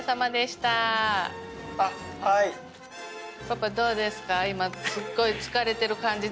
パパどうですか？